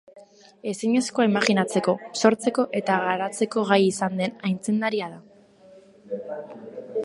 Ezinezkoa imajinatzeko, sortzeko eta garatzeko gai izan den aitzindaria da.